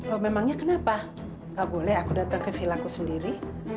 oh memangnya kenapa gak boleh aku datang ke filmku sendiri